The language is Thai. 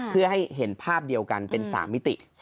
เพื่อให้เห็นภาพเดียวกันเป็น๓มิติ